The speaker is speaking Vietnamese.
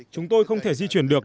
chúng tôi không thể di chuyển được